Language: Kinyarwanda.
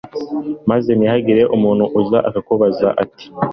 maze nihagira umuntu uza akakubaza ati